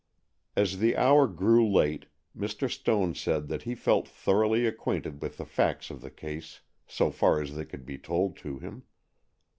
As the hour grew late Mr. Stone said that he felt thoroughly acquainted with the facts of the case so far as they could be told to him.